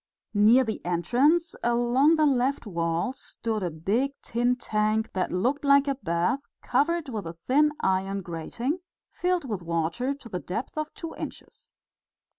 Near the entrance, along the left wall stood a big tin tank that looked like a bath covered with a thin iron grating, filled with water to the depth of two inches.